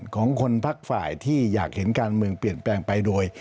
ของคนพักฝ่ายที่อยากเห็นการเมืองเปลี่ยนแปลงไปโดย